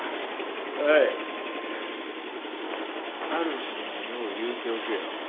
主人にもよう言うておけよ。